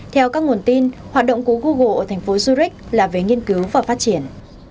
theo các nguồn tin hoạt động của google ở thành phố zurich là về nghiên cứu và phát triển